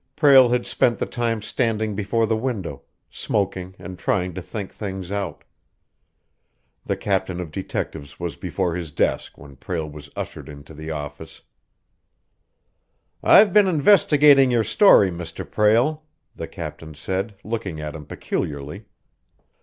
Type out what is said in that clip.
Prale had spent the time standing before the window, smoking and trying to think things out. The captain of detectives was before his desk when Prale was ushered into the office. "I've been investigating your story, Mr. Prale," the captain said, looking at him peculiarly.